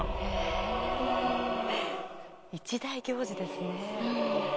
一大行事ですね。